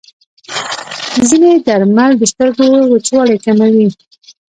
ځینې درمل د سترګو وچوالی کموي.